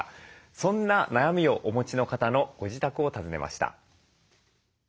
そんな悩みをお持ちの方のご自宅を訪ねました。